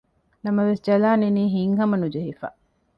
ނަމަވެސް ޖަލާން އިނީ ހިތްހަމަ ނުޖެހިފަ